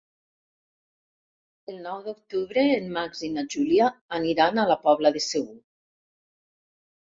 El nou d'octubre en Max i na Júlia aniran a la Pobla de Segur.